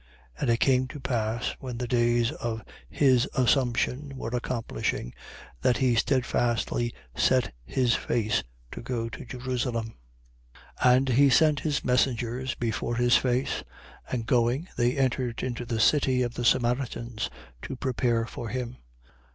9:51. And it came to pass, when the days of his assumption were accomplishing, that he steadfastly set his face to go to Jerusalem. 9:52. And he sent messengers before his face: and going, they entered into a city of the Samaritans, to prepare for him.